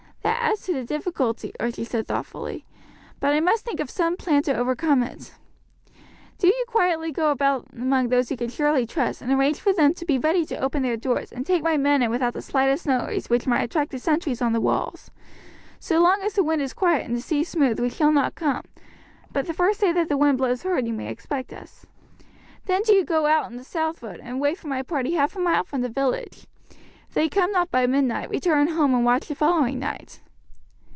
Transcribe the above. "That adds to the difficulty," Archie said thoughtfully; "but I must think of some plan to overcome it. Do you quietly go about among those you can surely trust and arrange for them to be ready to open their doors and take my men in without the slightest noise which might attract the sentries on the walls. So long as the wind is quiet and the sea smooth we shall not come, but the first day that the wind blows hard you may expect us. Then do you go out on the south road and wait for my party half a mile from the village. If they come not by midnight, return home and watch the following night."